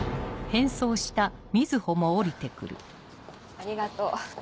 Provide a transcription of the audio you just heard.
ありがとう。